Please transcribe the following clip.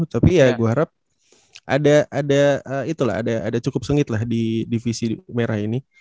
tapi ya gue harap ada cukup sengit lah di divisi merah ini